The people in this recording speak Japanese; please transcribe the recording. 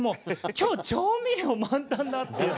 今日調味料満タンだって。